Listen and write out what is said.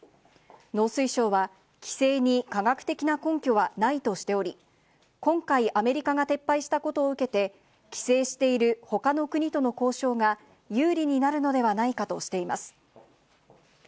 農水省は、規制に科学的な根拠はないとしており、今回、アメリカが撤廃したことを受けて、規制しているほかの国との交渉が有利になるのではないかとしています。